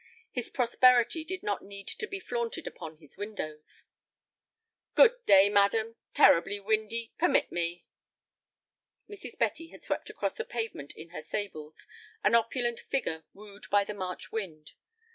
His prosperity did not need to be flaunted upon his windows. "Good day, madam. Terribly windy. Permit me." Mrs. Betty had swept across the pavement in her sables, an opulent figure wooed by the March wind.